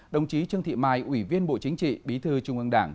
đồng chí trương thị mai ủy viên bộ chính trị bí thư trung ương đảng